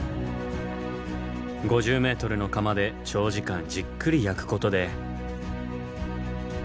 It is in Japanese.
５０ｍの窯で長時間じっくり焼くことで。